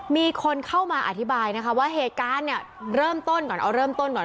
มีคนเข้ามาอธิบายนะคะว่าเหตุการณ์เนี่ยเริ่มต้นก่อนเอาเริ่มต้นก่อน